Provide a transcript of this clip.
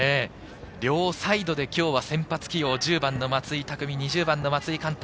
両サイドで今日は先発起用、１０番・松井匠、２０番・松井貫太。